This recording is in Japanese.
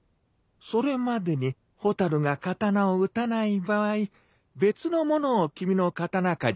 それまでに蛍が刀を打たない場合別の者を君の刀鍛冶にする。